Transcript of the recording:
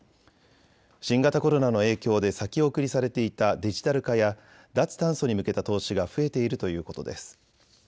新型コロナの影響で先送りされていたデジタル化や脱炭素に向けた投資が増えているということです。